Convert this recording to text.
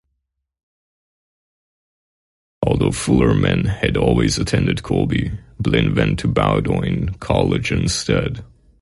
Although Fuller men had always attended Colby, Blin went to Bowdoin College instead.